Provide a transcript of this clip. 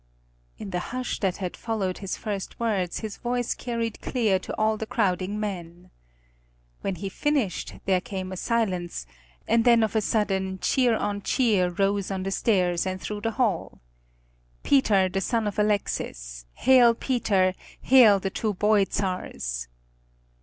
In the hush that had followed his first words his voice carried clear to all the crowding men. When he finished there came a silence, and then of a sudden cheer on cheer rose on the stairs and through the hall. "Peter, the son of Alexis! Hail Peter! Hail the two boy Czars!"